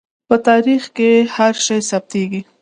په تاریخ کې هر شی ثبتېږي.